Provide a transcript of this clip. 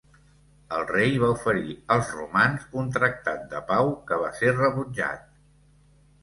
El rei va oferir als romans un tractat de pau que va ser rebutjat.